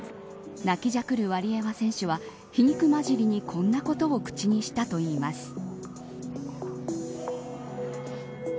泣きじゃくるワリエワ選手は皮肉交じりにこんなことを口にしたといいます。